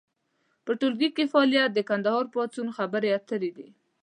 په ټولګي کې فعالیت د کندهار پاڅون خبرې اترې دي.